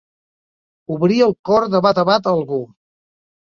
Obrir el cor de bat a bat a algú.